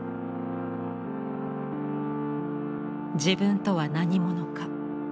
自分とは何者か。